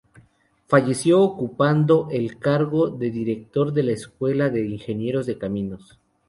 Falleció ocupando el cargo de director de la Escuela de Ingenieros de Caminos.